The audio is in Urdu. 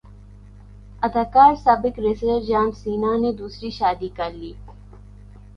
اداکار سابق ریسلر جان سینا نے دوسری شادی کرلی